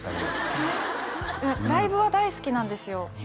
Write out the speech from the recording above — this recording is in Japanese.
いやライブは大好きなんですよ